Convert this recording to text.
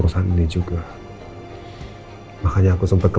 silahkan mbak mbak